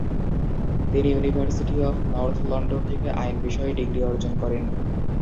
তিনি university of North London থেকে আইন বিষয়ে ডিগ্রী অর্জন করেন।